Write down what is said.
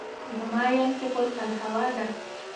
و ما ینطق الهوا ده